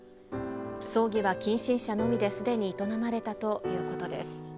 葬儀は近親者のみですでに営まれたということです。